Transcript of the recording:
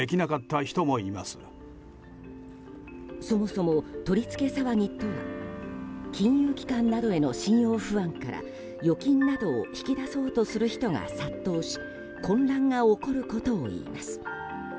そもそも取り付け騒ぎとは金融機関などへの信用不安から預金などを引き出そうとする人が殺到し混乱が起こることをいいます。